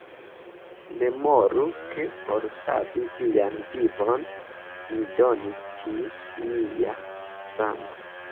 Memoru, ke por savi vian vivon, mi donis ĝis mia sango.